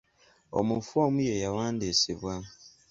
Omufu omu ye yawandiisibwa.